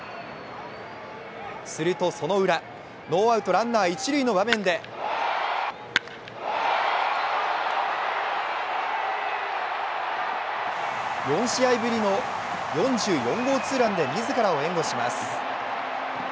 すると、そのウラ、ノーアウト・ランナー一塁の場面で４試合ぶりの４４号ツーランで自らを援護します。